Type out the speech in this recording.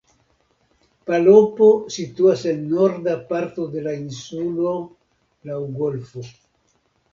Palopo situas en norda parto de la insulo laŭ golfo.